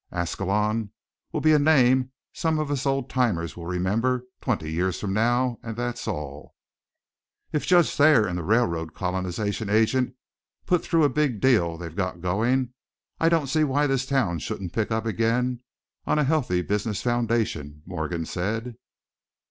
Ascalon will be a name some of us old timers will remember twenty years from now, and that's all." "If Judge Thayer and the railroad colonization agent put through a big deal they've got going, I don't see why this town shouldn't pick up again on a healthy business foundation," Morgan said.